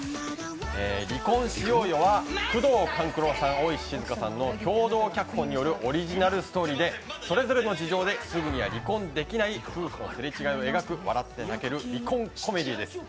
「離婚しようよ」は宮藤官九郎さん、大石静さんの共同脚本によるオリジナルストーリーでそれぞれの事情ですぐには離婚できない夫婦のすれ違いを描く笑って泣ける離婚コメディーです。